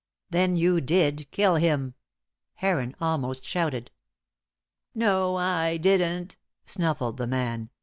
"Then you did kill him!" Heron almost shouted. "No, I didn't," snuffled the man.